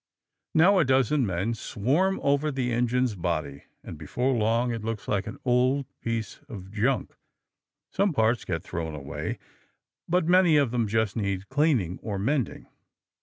Now a dozen men swarm over the engine's body, and before long it looks like an old piece of junk. Some parts get thrown away. But many of them just need cleaning or mending.